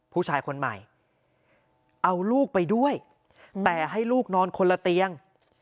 ผู้ชายคนใหม่เอาลูกไปด้วยแต่ให้ลูกนอนคนละเตียง